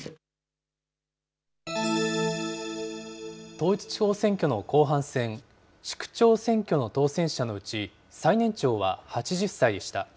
統一地方選挙の後半戦、市区長選挙の当選者のうち、最年長は８０歳でした。